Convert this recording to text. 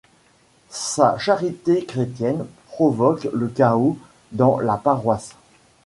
Sa charité chrétienne provoque le chaos dans la paroisse.